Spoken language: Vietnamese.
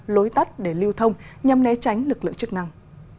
lối tắt để lưu thông nhằm né tránh lực lượng chức năng